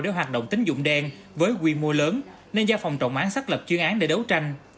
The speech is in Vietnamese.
để hoạt động tính dụng đen với quy mô lớn nên do phòng trọng án xác lập chuyên án để đấu tranh